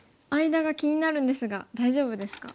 間が気になるんですが大丈夫ですか。